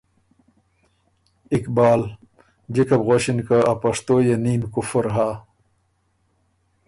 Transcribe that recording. اقبال: جِکه بو غؤݭِن که ”ا پشتو يې نیم کفر هۀ“